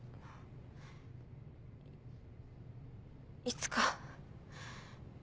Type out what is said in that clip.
いつか。